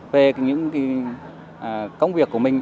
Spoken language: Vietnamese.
về những công việc của mình